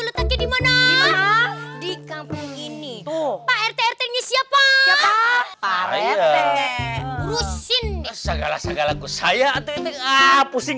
letaknya dimana di kampung ini tuh rt rt siapa siapa rusin segala segala saya pusing